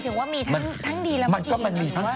แต่หมายถึงว่ามีทั้งดีแล้วไม่ดีหรือว่าอะไร